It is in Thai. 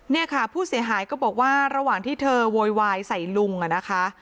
เนี่ยค่ะผู้เสียหายก็บอกว่าระหว่างที่เธอโวยวายใส่ลุงนะคะ